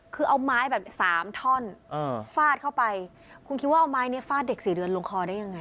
คือเอาไม้แบบสามท่อนฟาดเข้าไปคุณคิดว่าเอาไม้เนี้ยฟาดเด็กสี่เดือนลงคอได้ยังไง